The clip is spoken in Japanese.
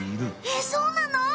えっそうなの！？